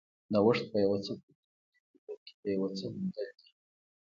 نوښت په یو څه پوهېدل نه دي، بلکې د یو څه موندل دي.